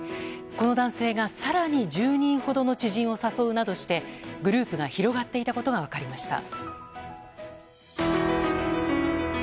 この男性が更に１０人ほどの知人を誘うなどしてグループが広がっていたことが分かりました。